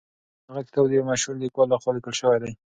هغه کتاب د یو مشهور لیکوال لخوا لیکل سوی دی.